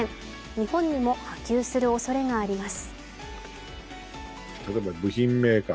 日本にも波及するおそれがあります。